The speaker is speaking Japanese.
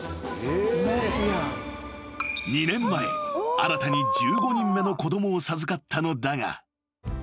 ［２年前新たに１５人目の子供を授かったのだが］